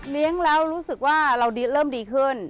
แล้วรู้สึกว่าเราเริ่มดีขึ้น